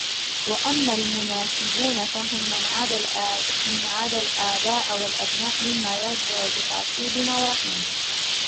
وَأَمَّا الْمُنَاسِبُونَ فَهُمْ مِنْ عَدَا الْآبَاءِ وَالْأَبْنَاءِ مِمَّنْ يَرْجِعُ بِتَعْصِيبٍ أَوْ رَحِمٍ